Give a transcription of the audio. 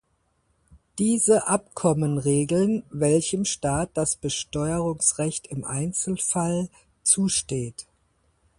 Diese Abkommen regeln, welchem Staat das Besteuerungsrecht im Einzelfall zusteht.